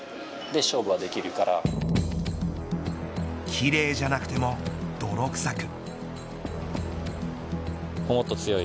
奇麗じゃなくても泥臭く。